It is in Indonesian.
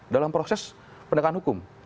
dalam proses pendekatan hukum